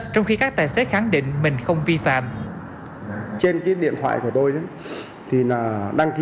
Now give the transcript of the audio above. trong khi các tài xế khẳng định mình không vi phạm